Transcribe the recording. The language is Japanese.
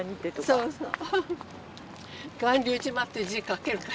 そうそう。